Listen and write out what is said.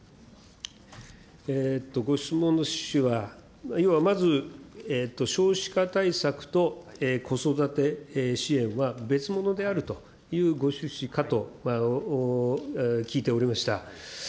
ご質問の趣旨は、今まず少子化対策と子育て支援は別物であるというご趣旨かと聞いておりました。